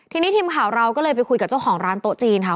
ทีนี้ทีมข่าวเราก็เลยไปคุยกับเจ้าของร้านโต๊ะจีนค่ะ